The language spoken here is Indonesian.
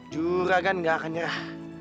juregan gak akan nyerah